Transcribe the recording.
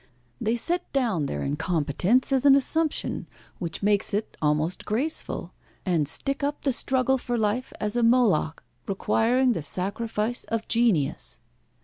They set down their incompetence as an assumption, which makes it almost graceful, and stick up the struggle for life as a Moloch requiring the sacrifice of genius.